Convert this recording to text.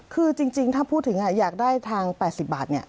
คือจริงถ้าพูดถึงอยากได้ทาง๘๐บาทเนี่ย